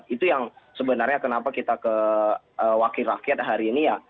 itu yang sebenarnya kenapa kita ke wakil rakyat hari ini ya